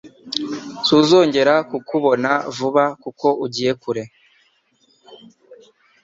Suzongera kukubona vuba kuko ujyiye kure.